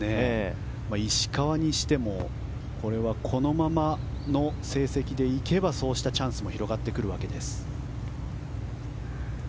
石川にしてもこのままの成績で行けばそうしたチャンスも広がるわけです。